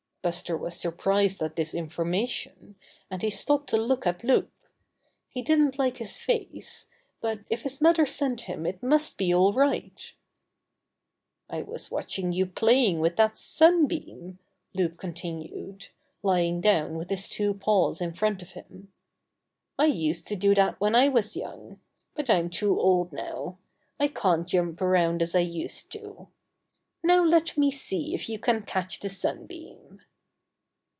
Buster was surprised at this information, and he stopped to look at Loup. He didn't like his face, but if his mother sent him it must be all right. 14 Buster the Bear "I was watching you playing with that sun beam," Loup continued, lying down with his two paws in front of him. ''I used to do that when I was young, but I'm too old now. I can't jump around as I used to. Now let me see if you can catch the sun beam."